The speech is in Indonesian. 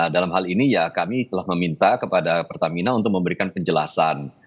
dalam hal ini ya kami telah meminta kepada pertamina untuk memberikan penjelasan